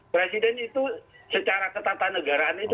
presiden itu secara ketatanegaraan itu